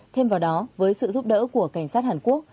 thêm vào đó với sự giúp đỡ của cảnh sát hàn quốc